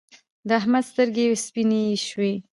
د احمد سترګې سپينې شوې.